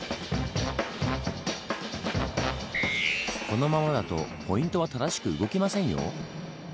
このままだとポイントは正しく動きませんよ。